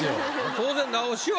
当然直しは。